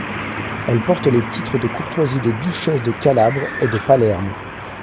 Elle porte les titres de courtoisie de duchesse de Calabre et de Palerme.